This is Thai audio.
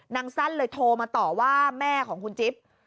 สั้นเลยโทรมาต่อว่าแม่ของคุณจิ๊บ